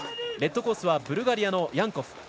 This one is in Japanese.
レッドコースはブルガリアのヤンコフ。